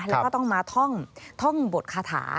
แล้วก็ต้องมาท่องบทคาถา